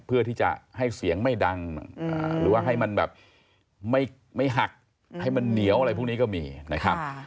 เพื่อที่จะให้เสียงไม่ดังหรือว่าให้มันแบบไม่หักให้มันเหนียวอะไรพวกนี้ก็มีนะครับ